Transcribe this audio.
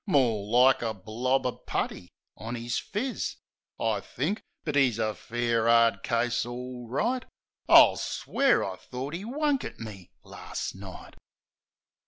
More like a blob of putty on 'is phiz, I think. But 'e's a fair 'ard case, all right. I'll swear I thort 'e wunk at me last night!